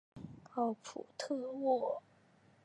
奥普特沃。